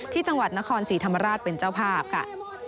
ที่จังหวัดนครศรีธรรมราชเป็นเจ้าภาพค่ะ